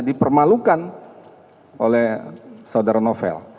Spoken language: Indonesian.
dipermalukan oleh saudara novel